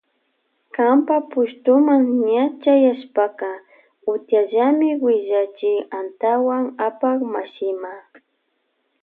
Kanpa pushtuma ña chayashpaka utiyalla willachi antawata apak mashima.